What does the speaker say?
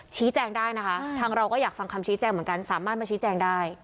ชี้แจงได้นะคะทางเราก็อยากฟังคำชี้แจงเหมือนกันสามารถมาชี้แจงได้